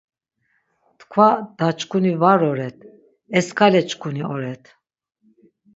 Tkva da-çkuni var oret, eksale çkuni oret.